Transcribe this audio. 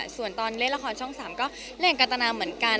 ส่วนตอนเล่นละครช่อง๓ก็เล่นกาตนาเหมือนกัน